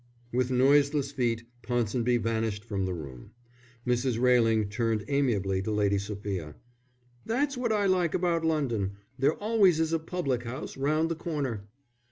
With noiseless feet Ponsonby vanished from the room. Mrs. Railing turned amiably to Lady Sophia. "That's what I like about London, there always is a public house round the corner."